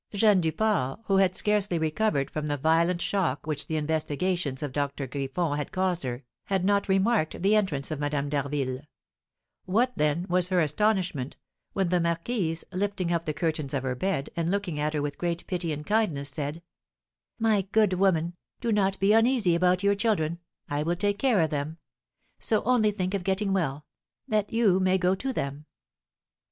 Jeanne Duport, who had scarcely recovered from the violent shock which the investigations of Doctor Griffon had caused her, had not remarked the entrance of Madame d'Harville; what, then, was her astonishment, when the marquise, lifting up the curtains of her bed, and looking at her with great pity and kindness, said: "My good woman, do not be uneasy about your children, I will take care of them; so only think of getting well, that you may go to them."